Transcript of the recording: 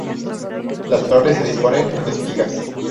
Las flores se disponen en espigas.